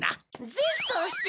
ぜひそうして。